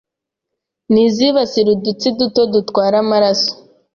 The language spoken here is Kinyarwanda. n’izibasira udutsi duto dutwara amaraso